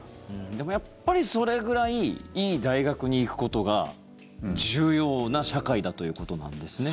でもやっぱり、それぐらいいい大学に行くことが重要な社会だということなんですね。